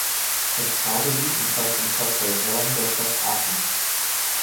Das Pfarrgebiet umfasst den Stadtteil Hörn der Stadt Aachen.